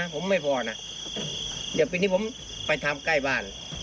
ผมไม่พอจะไปทำใกล้บ้าน